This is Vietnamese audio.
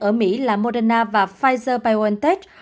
ở mỹ là moderna và pfizer biontech